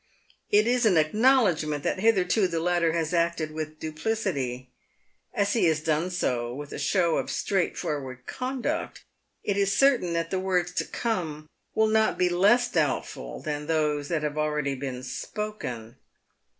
It is an acknowledgment that hitherto the latter has acted with duplicity. As he has done so with a show of straightforward conduct, it is certain that the words to come will not be less doubtful than those that have already been spoken.